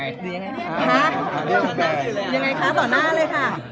เรียกว่าอย่างไรคะต่อหน้าเลยค่ะ